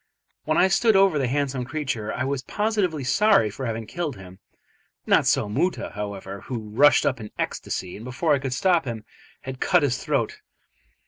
When I stood over the handsome creature I was positively sorry for having killed him. Not so Moota, however, who rushed up in ecstasy, and before I could stop him had cut his throat.